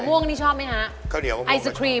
มันจะหวานอร่อย